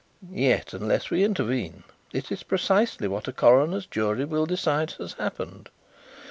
"Yet unless we intervene it is precisely what a coroner's jury will decide has happened.